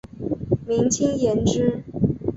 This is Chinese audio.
明清延之。